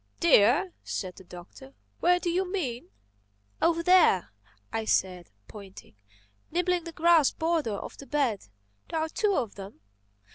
"Deer!" said the Doctor. "Where do you mean?" "Over there," I said, pointing—"nibbling the grass border of the bed. There are two of them."